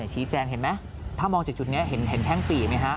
ชี้แจงเห็นไหมถ้ามองจากจุดนี้เห็นแท่งปี่ไหมฮะ